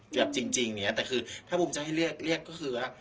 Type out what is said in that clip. แบบจริงอย่างนี้แต่คือถ้าบุมจะให้เรียกเรียกก็คือว่า